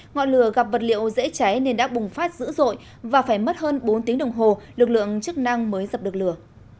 ngọn lửa gặp vật liệu dễ cháy nên đã bùng phát dữ dội và phải mất hơn bốn tiếng đồng hồ lực lượng chức năng mới dập được lửa